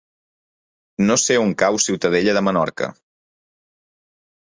No sé on cau Ciutadella de Menorca.